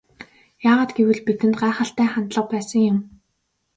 Яагаад гэвэл бидэнд гайхалтай хандлага байсан юм.